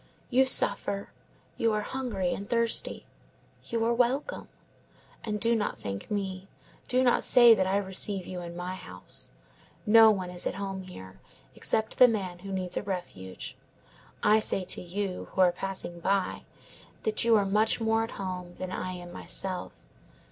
You suffer, you are hungry and thirsty; you are welcome. And do not thank me; do not say that I receive you in my house. No one is at home here, except the man who needs a refuge. I say to you, who are passing by, that you are much more at home here than I am myself.